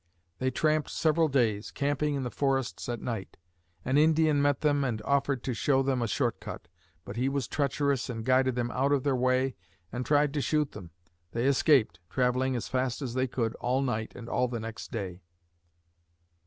They tramped several days, camping in the forests at night. An Indian met them and offered to show them a short cut. But he was treacherous and guided them out of their way and tried to shoot them. They escaped, traveling as fast as they could all night and all the next day.